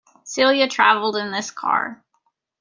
Celia travelled in this car.